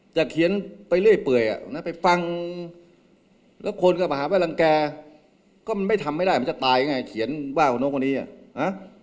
แต่เขียนไปเรื่อยไปฟังแล้วคนก็มาหาแว่นรังแกก็ไม่ทำให้ได้มันจะตายยังไงเขียนว่าคนโน้นคนอีก